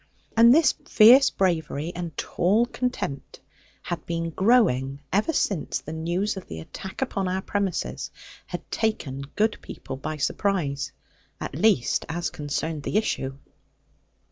And this fierce bravery, and tall contempt, had been growing ever since the news of the attack upon our premises had taken good people by surprise; at least as concerned the issue.